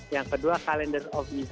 yang kedua calendar